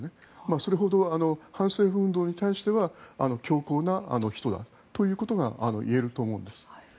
それほど反政府運動に対しては強硬な人だということがいえると思うんです。